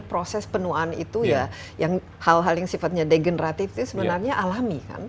proses penuaan itu ya hal hal yang sifatnya degeneratif itu sebenarnya alami kan